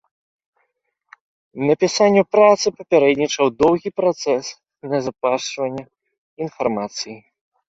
Напісанню працы папярэднічаў доўгі працэс назапашвання інфармацыі.